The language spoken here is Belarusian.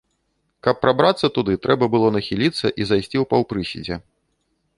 Каб прабрацца туды, трэба было нахіліцца і зайсці ў паўпрыседзе.